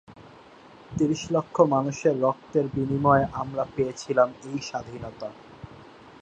ত্রিশ লক্ষ মানুষের রক্তের বিনিময়ে আমরা পেয়েছিলাম এই স্বাধীনতা।